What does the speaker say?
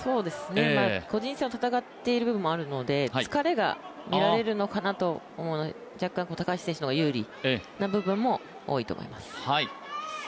個人戦を戦っている部分もあるので疲れがみられるのかなと若干、高橋選手のほうが有利なところもあると思います。